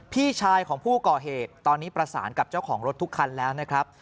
พี่ชายของผู้ก่อเหตุตอนนี้ประสานกับเจ้าของรถทุกคันแล้วนะครับ